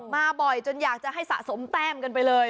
มาบ่อยจนอยากจะให้สะสมแต้มกันไปเลย